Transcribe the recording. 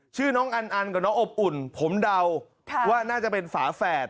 ชื่อน้องอันอันกับน้องอบอุ่นผมเดาว่าน่าจะเป็นฝาแฝด